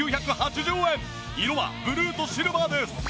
色はブルーとシルバーです。